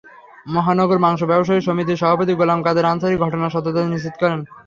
মহানগর মাংস ব্যবসায়ী সমিতির সভাপতি গোলাম কাদের আনসারী ঘটনার সত্যতা নিশ্চিত করেন।